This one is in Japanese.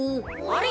あれ！